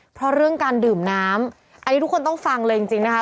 เพราะเรื่องการดื่มน้ำอันนี้ทุกคนต้องฟังเลยจริงจริงนะคะ